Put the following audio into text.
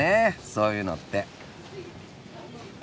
そういうのって。